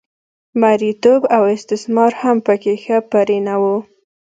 مریتوب او استثمار هم په کې ښه پرېنه و